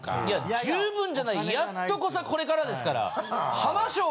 いや十分じゃないやっとこさこれからですから。